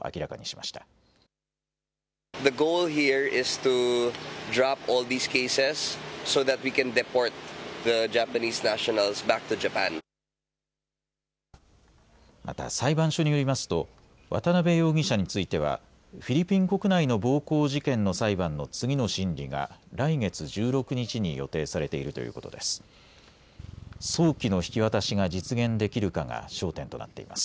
また裁判所によりますと渡邉容疑者についてはフィリピン国内の暴行事件の裁判の次の審理が来月１６日に予定されているということです。